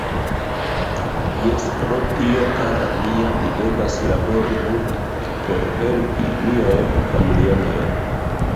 Jes, pro tio kara mia, ni devas labori multe por helpi niajn familianojn.